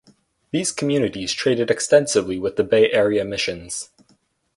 These communities traded extensively with the Bay Area Missions.